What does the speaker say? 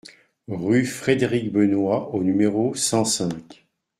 rue Frédéric Benoist au numéro cent cinq